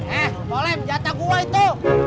eh tolek jatah gua itu